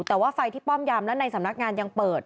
แต่ว่าไฟที่ป้อมยามและในสำนักงานยังเปิด